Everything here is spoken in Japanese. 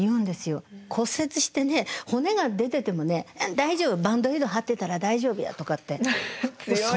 骨折してね骨が出ててもね「大丈夫バンドエイド貼ってたら大丈夫や」とかって。